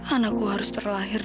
anakku harus terlahir